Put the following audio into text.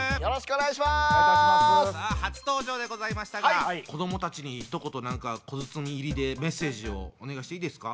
さあ初登場でございましたが子どもたちにひと言何か小鼓入りでメッセージをお願いしていいですか？